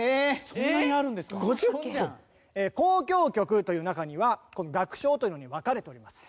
交響曲という中には楽章というのに分かれております。